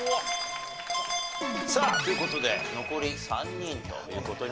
さあという事で残り３人という事になりました。